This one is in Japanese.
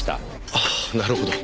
ああなるほど。